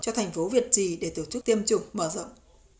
cho thành phố việt trì để tổ chức tiêm chủng mở rộng